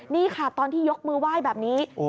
นี่ค่ะตอนที่ยกมือไหว้แบบนี้